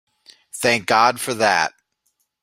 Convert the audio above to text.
Thank God for that!